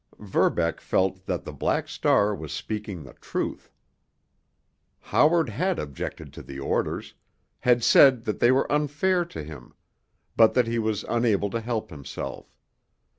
Verbeck felt that the Black Star was speaking the truth. Howard had objected to the orders—had said that they were unfair to him, but that he was unable to help himself.